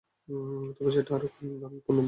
তবে সেটা আরও কম দামে পণ্য বানিয়ে নিতে।